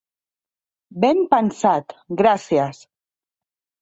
Ben pensat, gràcies!